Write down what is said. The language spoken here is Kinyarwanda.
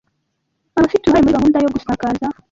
Abafi te uruhare muri gahunda yo gusakaza